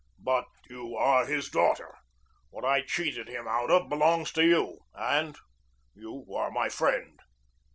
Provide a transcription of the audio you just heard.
But you are his daughter. What I cheated him out of belongs to you and you are my friend."